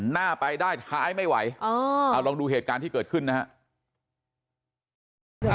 หน้าไปได้ท้ายไม่ไหวเอาลองดูเหตุการณ์ที่เกิดขึ้นนะครับ